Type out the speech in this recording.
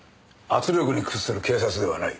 圧力に屈する警察ではない。